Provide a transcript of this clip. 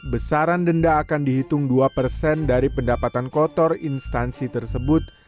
besaran denda akan dihitung dua persen dari pendapatan kotor instansi tersebut